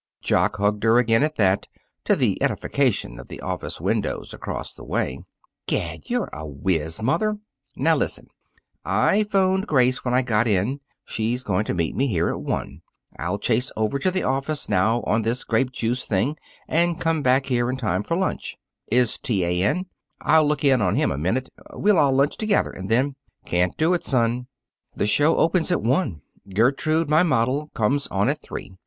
Jock hugged her again at that, to the edification of the office windows across the way. "Gad, you're a wiz, mother! Now listen: I 'phoned Grace when I got in. She's going to meet me here at one. I'll chase over to the office now on this grape juice thing and come back here in time for lunch. Is T. A. in? I'll look in on him a minute. We'll all lunch together, and then " "Can't do it, son. The show opens at one. Gertrude, my model, comes on at three.